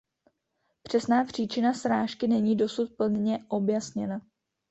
Přesná příčina srážky není dosud plně objasněna.